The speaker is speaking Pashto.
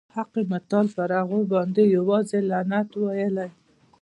حق متعال پر هغوی باندي یوازي لعنت ویلی.